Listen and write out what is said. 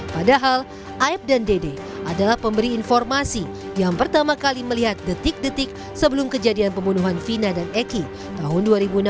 padahal aib dan dede adalah pemberi informasi yang pertama kali melihat detik detik sebelum kejadian pembunuhan vina dan eki tahun dua ribu enam belas